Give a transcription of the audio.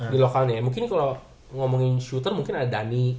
di lokalnya mungkin kalau ngomongin shooter mungkin ada dhani